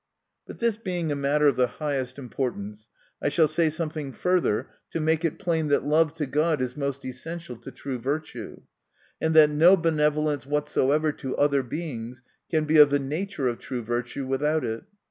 But this being a matter of the highest importance, I shall say something further to make it plain, that love to God is most essential to true virtue ; and that no benevolence whatsoever to other Beings can be of the nature of true virtue, without it.